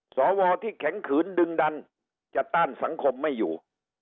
สวที่แข็งขืนดึงดันจะต้านสังคมไม่อยู่